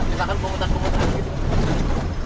misalkan penghutang penghutang gitu